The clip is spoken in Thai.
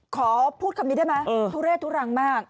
ขอพูดคำนี้ได้ไหมทุเรศทุรังมาก